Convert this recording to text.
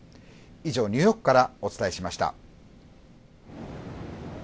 以上、ニューヨークからお伝えしました。